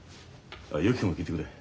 ゆき子も聞いてくれ。